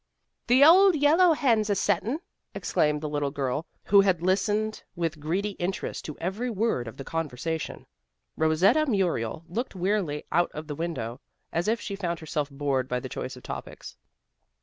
"The old yellow hen's a settin'," exclaimed the little girl who had listened with greedy interest to every word of the conversation. Rosetta Muriel looked wearily out of the window, as if she found herself bored by the choice of topics.